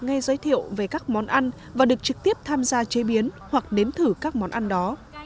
nghe giới thiệu về các món ăn và được trực tiếp tham gia chế biến hoặc nếm thử các món ăn đó